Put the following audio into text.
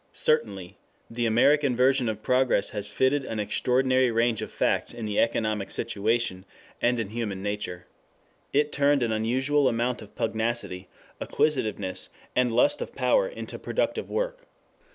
Certainly the American version of progress has fitted an extraordinary range of facts in the economic situation and in human nature. It turned an unusual amount of pugnacity, acquisitiveness, and lust of power into productive work.